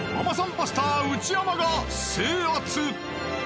バスター内山が制圧！